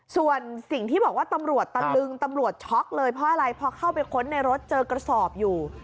ส่วนสิ่งที่บอกว่าตำรวจตะลึงตำรวจช็อกเลยเพราะอะไรพอเข้าไปค้นในรถเจอกระสอบอยู่